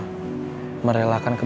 mereka akan melakukan hal yang sama